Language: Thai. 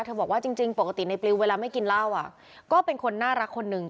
บอกว่าจริงปกติในปลิวเวลาไม่กินเหล้าอ่ะก็เป็นคนน่ารักคนนึง